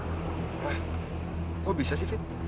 wah kok bisa sih fin